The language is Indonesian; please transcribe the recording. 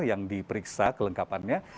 yang diperiksa kelengkapannya